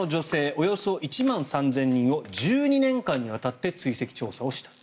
およそ１万３０００人をおよそ１２年間にわたって追跡調査をした。